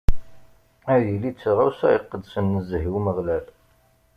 Ad yili d taɣawsa iqedsen nezzeh i Umeɣlal.